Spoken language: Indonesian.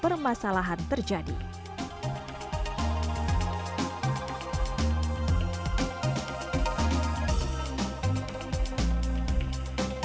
programma gezda mengapousekan muslim mel propagate kas hoch beiwajah ini